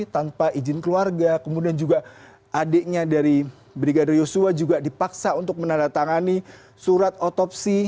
tanpa izin keluarga kemudian juga adiknya dari brigadir yosua juga dipaksa untuk menandatangani surat otopsi